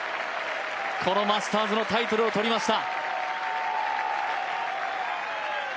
このマスターズのタイトルを取りました。